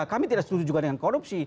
kami tidak setuju juga dengan korupsi